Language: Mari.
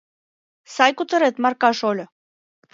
— Сай кутырет, Марка шольо!